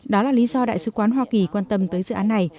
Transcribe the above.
đó là lý do đại sứ quán hoa kỳ quan tâm tới dự án này